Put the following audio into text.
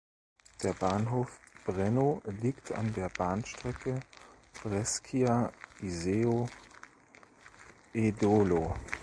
Der Bahnhof Breno liegt an der Bahnstrecke Brescia–Iseo–Edolo.